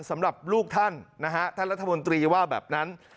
สำหรับลูกท่านนะฮะท่านรัฐมนตรีว่าแบบนั้น